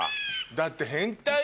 だって。